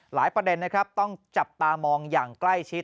ประเด็นนะครับต้องจับตามองอย่างใกล้ชิด